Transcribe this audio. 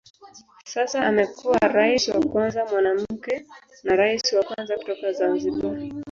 Sasa amekuwa rais wa kwanza mwanamke na rais wa kwanza kutoka Zanzibar.